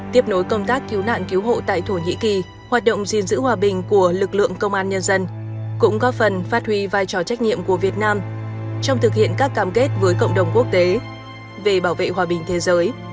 tiếp nối công tác cứu nạn cứu hộ tại thổ nhĩ kỳ hoạt động gìn giữ hòa bình của lực lượng công an nhân dân cũng góp phần phát huy vai trò trách nhiệm của việt nam trong thực hiện các cam kết với cộng đồng quốc tế về bảo vệ hòa bình thế giới